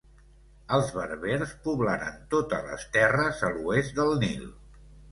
Els berbers poblaren totes les terres a l'oest del Nil.